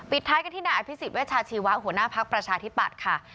ท้ายกันที่นายอภิษฎเวชาชีวะหัวหน้าภักดิ์ประชาธิปัตย์ค่ะ